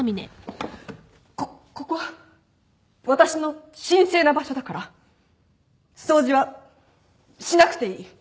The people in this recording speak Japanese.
こっここは私の神聖な場所だから掃除はしなくていい。